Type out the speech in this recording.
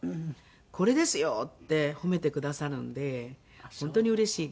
「これですよ」って褒めてくださるので本当にうれしい。